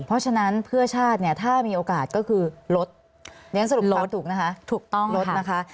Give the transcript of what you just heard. เพราะฉะนั้นเพื่อชาติเนี่ยถ้ามีโอกาสก็คือลดถูกต้องนะคะ